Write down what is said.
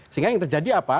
sehingga yang terjadi apa